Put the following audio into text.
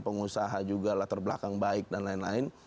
pengusaha juga latar belakang baik dan lain lain